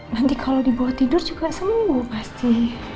nanti kalau dibawa tidur juga sembuh pasti